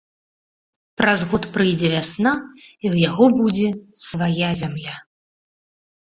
Праз год прыйдзе вясна, і ў яго будзе свая зямля.